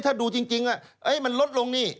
ถ้าดูจริงมันลดลงนี่